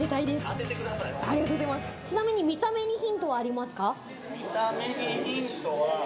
ちなみに、見た目にヒントはありますか？